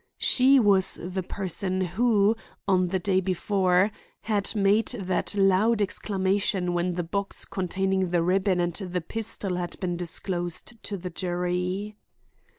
She was the person who, on the day before, had made that loud exclamation when the box containing the ribbon and the pistol had been disclosed to the jury.